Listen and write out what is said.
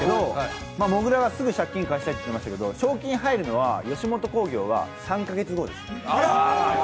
もぐらはすぐ借金返したいと言ってましたけど、賞金が入るのは吉本興業は３カ月語です。